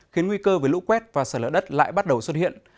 khiến nguy cơ với lũ quét và sợi lỡ đất lại bắt đầu xuất hiện